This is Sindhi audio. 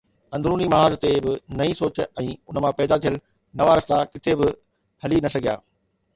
اندروني محاذ تي به نئين سوچ ۽ ان مان پيدا ٿيل نوان رستا ڪٿي به هلي نه سگهيا.